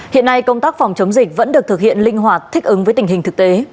hiện nay công tác phòng chống dịch vẫn được thực hiện linh hoạt thích ứng với tình hình thực tế